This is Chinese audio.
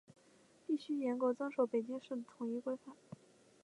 必须严格遵守北京市的统一规范